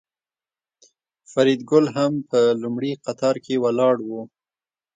فریدګل هم په لومړي قطار کې ولاړ و